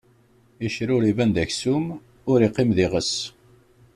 Iccer ur iban d aksum, ur iqqim d iɣes.